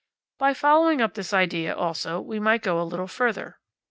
By following up this idea, also, we might go a little further.